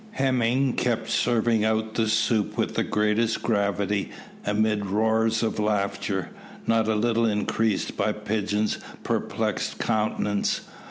Hemming kept serving out the soup with the greatest gravity amid roars of laughter, not a little increased by Pigeon's perplexed countenance.